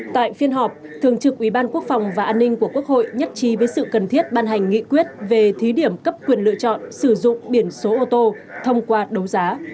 tại phiên họp thường trực ủy ban quốc phòng và an ninh của quốc hội nhất trí với sự cần thiết ban hành nghị quyết về thí điểm cấp quyền lựa chọn sử dụng biển số ô tô thông qua đấu giá